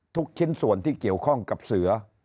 ชิ้นส่วนที่เกี่ยวข้องกับเสือ